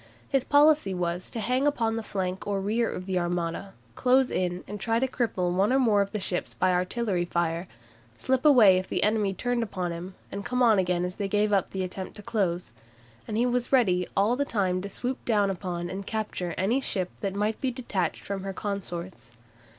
His policy was to hang upon the flank or rear of the Armada, close in and try to cripple one or more ships by artillery fire, slip away if the enemy turned upon him, come on again as they gave up the attempt to close, and he was ready all the time to swoop down upon and capture any ship that might be detached from her consorts.